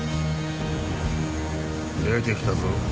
出て来たぞ。